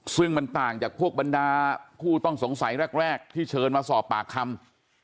ซึ่งมันต่างจากพวกบรรดาผู้ต้องสงสัยแรกที่เชิญมาสอบปากคำ